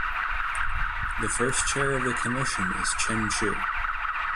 The first chair of the commission is Chen Chu.